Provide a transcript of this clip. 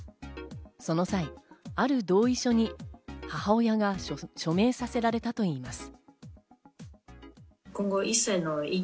その際、ある同意書に母親が署名させられたといいます。